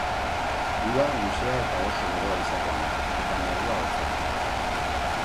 Uda luzea eta oso beroa izaten da, eta negua hotza.